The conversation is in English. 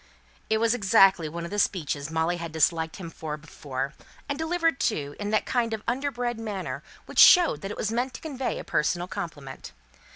It was exactly one of the speeches Molly had disliked him for before; and delivered, too, in that kind of underbred manner which showed that it was meant to convey a personal compliment.